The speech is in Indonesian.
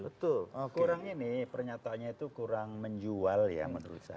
betul kurang ini pernyataannya itu kurang menjual ya menurut saya